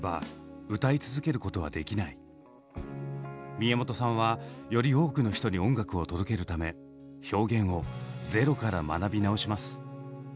宮本さんはより多くの人に音楽を届けるため表現をゼロから学び直します。